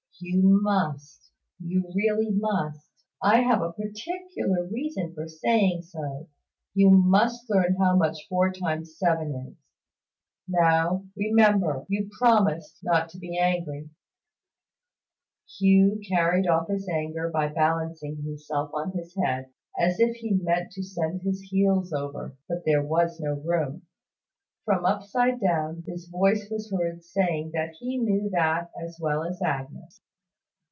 "You must you really must I have a particular reason for saying so you must learn how much four times seven is. Now, remember, you promised not to be angry." Hugh carried off his anger by balancing himself on his head, as if he meant to send his heels over, but that there was no room. From upside downs his voice was heard saying that he knew that as well as Agnes.